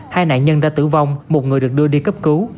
hai nạn nhân đã tử vong một người được đưa đi cấp cứu